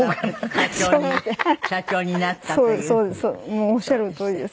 もうおっしゃるとおりです。